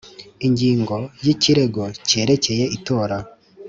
ingingo y ikirego cyerekeye itora